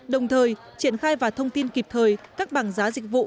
đồng thời triển khai và thông tin kịp thời các bảng giá dịch vụ